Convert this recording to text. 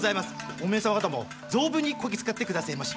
おめえ様方も存分にこき使ってくだせぇまし！